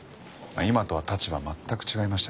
今とは立場全く違いましたけど。